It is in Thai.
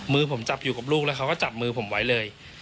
มือผมจับอยู่กับลูกแล้วเขาก็จับมือผมไว้เลย